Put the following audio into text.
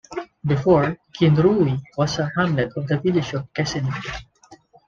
Before, Kinrooi was a hamlet of the village of Kessenich.